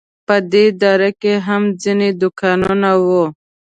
په دې دره کې هم ځینې دوکانونه وو.